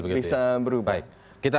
mungkin akan bisa berhasil